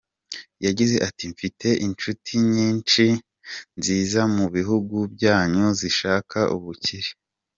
Yagize ati “Mfite inshuti nyinshi ziza mu bihugu byanyu zishaka ubukire.